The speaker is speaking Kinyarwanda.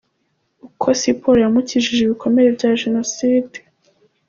Uko Siporo yamukijije ibikomere bya Jenoside.